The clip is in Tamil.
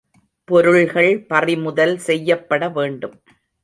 பொருள்கள் பறிமுதல் செய்யப்பட வேண்டும்.